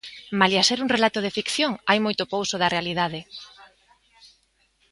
Malia ser un relato de ficción, hai moito pouso da realidade.